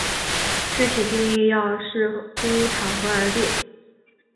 具体定义要视乎场合而定。